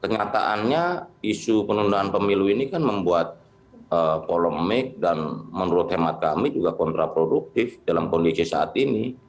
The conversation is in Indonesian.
kenyataannya isu penundaan pemilu ini kan membuat polemik dan menurut hemat kami juga kontraproduktif dalam kondisi saat ini